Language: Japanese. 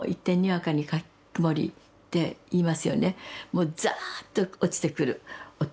もうザーッと落ちてくる音。